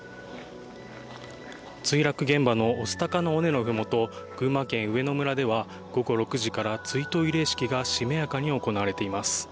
墜落現場の御巣鷹の尾根の麓群馬県上野村では、午後６時から追悼慰霊式がしめやかに行われています。